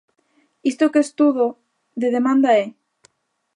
¿Isto que estudo de demanda é?